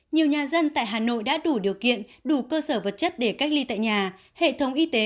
nhiều nhà dân tại hà nội đã đủ điều kiện đủ cơ sở vật chất để cách ly tại nhà hệ thống y tế